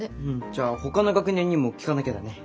じゃあほかの学年にも聞かなきゃだね。